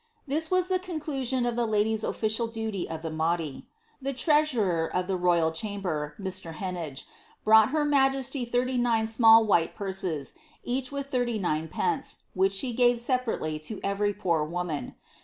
This was the conclusion of tlie ladies' official duty of the maundy. The treasurer of the royal chamber, Mr. Henesge, brought her majesty thirty nine small while purses,' each with thirty nine pence, which she gave separately to every poor woman.